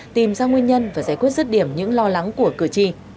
tìm ra nguyên nhân và giải quyết rứt điểm những lo lắng của cử tri